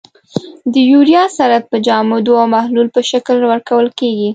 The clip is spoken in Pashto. د یوریا سره په جامدو او محلول په شکل ورکول کیږي.